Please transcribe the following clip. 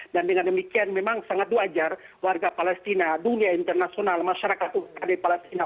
dan dengan demikian memang sangat wajar warga palestina dunia internasional masyarakat umat di palestina